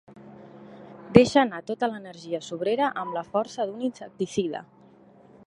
Deixa anar tota l'energia sobrera amb la força d'un insecticida.